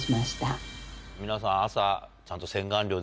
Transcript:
皆さんちゃんと。